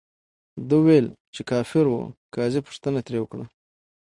ده ویل، چې کافر ؤ. قاضي پوښتنه ترې وکړه،